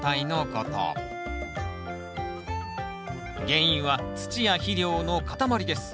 原因は土や肥料の塊です。